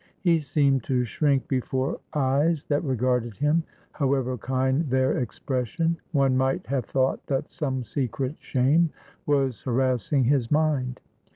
He seemed to shrink before eyes that regarded him, however kind their expression; one might have thought that some secret shame was harassing his mind.